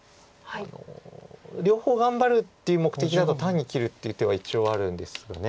両方頑張るっていう目的だと単に切るっていう手は一応あるんですよね。